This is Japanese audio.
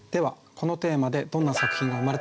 このテーマでどんな作品が生まれたのか。